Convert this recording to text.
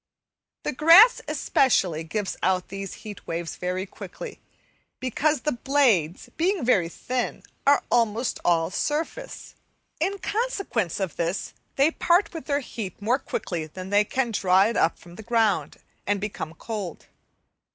The grass, especially, gives out these heat waves very quickly, because the blades, being very thin, are almost all surface. In consequence of this they part with their heat more quickly than they can draw it up from the ground, and become cold.